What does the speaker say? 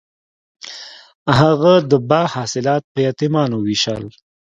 هغه د باغ حاصلات په یتیمانو ویشل.